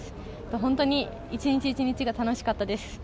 本当に１日１日が楽しかったです。